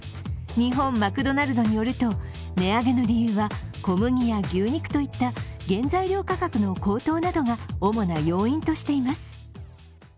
日本マクドナルドによると、値上げの理由は小麦や牛肉といった原材料価格の高騰などが主な要因としています。